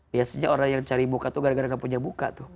biasanya orang yang cari muka itu gara gara gak punya muka